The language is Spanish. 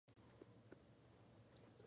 Especie trepadora poco robusta.